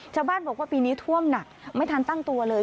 ชาวบ้านบอกว่าปีนี้ท่วมหนักไม่ทันตั้งตัวเลย